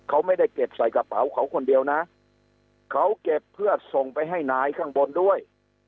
เขาไม่ได้เก็บใส่กระเป๋าเขาคนเดียวนะเขาเก็บเพื่อส่งไปให้นายข้างบนด้วย